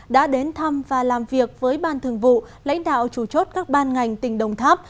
đã đến thăm và làm việc với ban thường vụ lãnh đạo chủ chốt các ban ngành tỉnh đồng tháp